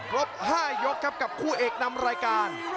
๕ยกครับกับคู่เอกนำรายการ